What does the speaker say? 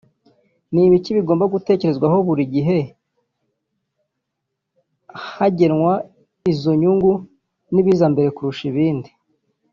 Ni ibiki bigomba gutekerezwaho buri gihe hagenwa izo nyungu n’ibiza mbere kurusha ibindi